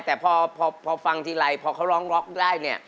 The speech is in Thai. แต่พอฟังทีไรพอเขาร้องล็อคได้